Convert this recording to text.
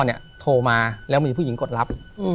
ถูกต้องไหมครับถูกต้องไหมครับ